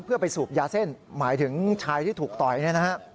เพื่อไปสูบยาเส้นหมายถึงชายที่ถูกต่อยเนี่ยนะฮะ